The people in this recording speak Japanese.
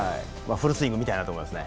フルスイングを見たいなって思いますね。